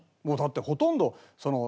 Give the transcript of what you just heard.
もうだってほとんど。